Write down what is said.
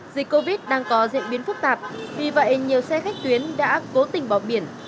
dịch covid đang có diễn biến phức tạp vì vậy nhiều xe khách tuyến đã cố tình bỏ biển